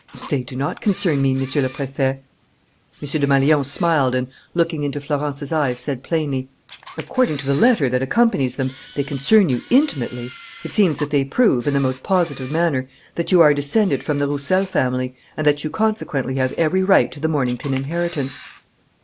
"They do not concern me, Monsieur le Préfet." M. Desmalions smiled and, looking into Florence's eyes, said, plainly: "According to the letter that accompanies them, they concern you intimately. It seems that they prove, in the most positive manner, that you are descended from the Roussel family and that you consequently have every right to the Mornington inheritance."